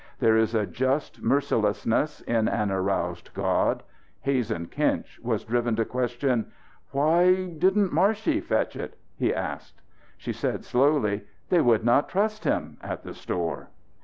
There is a just mercilessness in an aroused God. Hazen Kinch was driven to questions. "Why didn't Marshey fetch it?" he asked. She said slowly: "They would not trust him at the store."